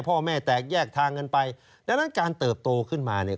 พ่อแม่แตกแยกทางกันไปดังนั้นการเติบโตขึ้นมาเนี่ย